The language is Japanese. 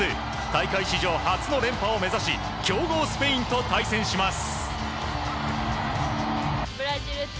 大会史上初の連覇を目指し強豪スペインと対戦します。